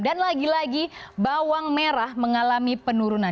dan lagi lagi bawang merah mengalami penurunan